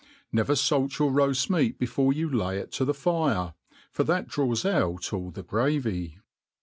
Never faljt your roaft meat before ' you lay it to the fire^^ for that dr^ws outs^l the gravy.